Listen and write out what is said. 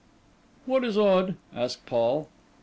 'What is odd?' asked Paul.